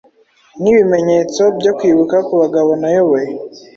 Nkibimenyetso-byo kwibuka kubagabo nayoboye